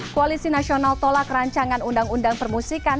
koalisi nasional tolak rancangan undang undang permusikan